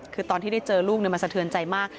คือตอนที่ได้เจอลูกมันสะเทือนใจมาก